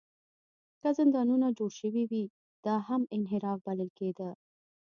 که زندانونه جوړ شوي وي، دا هم انحراف بلل کېده.